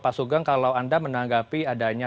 pak sugeng kalau anda menanggapi adanya